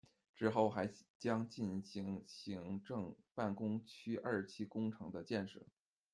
之后还将进行行政办公区二期工程的建设。